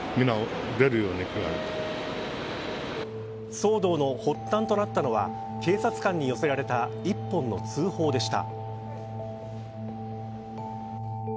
騒動の発端となったのは警察官に寄せられた１本の通報でした。